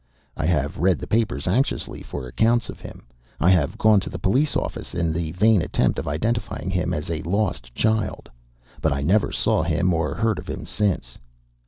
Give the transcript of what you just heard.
I have read the papers anxiously for accounts of him. I have gone to the Police Office in the vain attempt of identifying him as a lost child. But I never saw him or heard of him since.